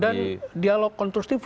dan dialog kontrusif